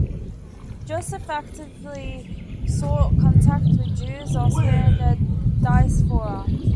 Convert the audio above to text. Joseph actively sought contact with Jews elsewhere in the diaspora.